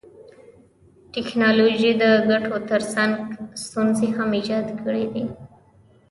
ټکنالوژي د ګټو تر څنګ ستونزي هم ایجاد کړيدي.